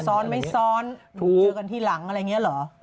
ซ้อนไม่ซ้อนถูกเจอกันทีหลังอะไรอย่างนี้เหรอ